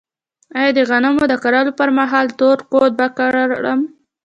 آیا د غنمو د کرلو پر مهال تور کود ورکړم؟